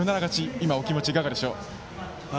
今お気持ちはいかがでしょう？